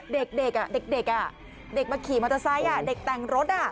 เด็กอ่ะเด็กอ่ะเด็กมาขี่มอเตอร์ไซต์อ่ะเด็กแต่งรถอ่ะ